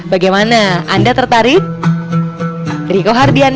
bagaimana anda tertarik